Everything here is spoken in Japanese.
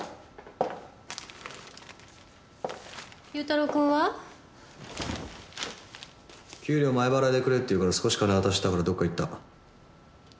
祐太郎くんは？給料前払いでくれって言うから少し金渡したらどっか行った。